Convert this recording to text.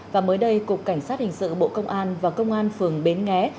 và mới đây cục cảnh sát hình sự bộ công an và công an phường bến nghé